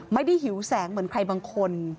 ไม่ได้หิวแสงเหมือนใครบางคน